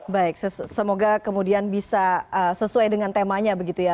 baik semoga kemudian bisa sesuai dengan temanya begitu ya